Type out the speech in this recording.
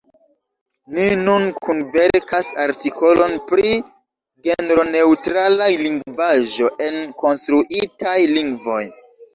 Ni nun kunverkas artikolon pri genroneŭtrala lingvaĵo en konstruitaj lingvoj.